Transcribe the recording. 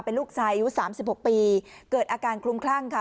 เป็นลูกชายอยู่สามสิบหกปีเกิดอาการคลุมคลั่งค่ะ